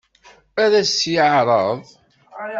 Ad as-tt-yeɛṛeḍ?